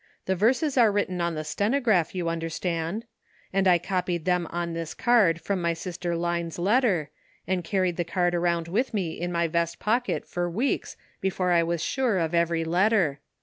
The verses are written on the stenograph, you understand; and I copied them on this card from my sister Line's letter, and carried the card around with me in my vest pocket for weeks before I was sure of every letter.